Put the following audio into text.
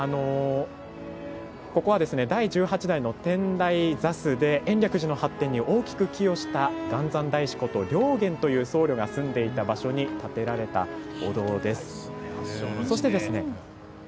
ここは第１８代の天台座主で延暦寺の発展に大きく寄与した元三大師こと、良源という僧侶が住んでいた場所に建てられたお堂です。